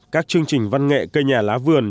các chương trình văn nghệ cây nhà lá vườn